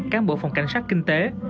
cán bộ phòng cảnh sát kinh tế